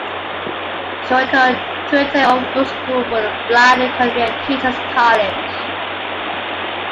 She went on to attend Overbrook School for the Blind and Columbia Teachers College.